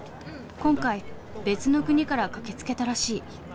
今回別の国から駆けつけたらしい。